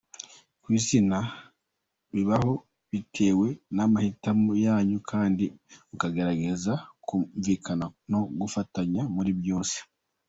Kwizeana bibaho bitewe n’amahitamo yanyu kandi mukageregeza kumvikana no gufatanya muri byose.